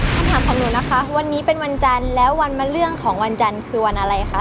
คำถามของหนูนะคะวันนี้เป็นวันจันทร์แล้ววันมาเรื่องของวันจันทร์คือวันอะไรคะ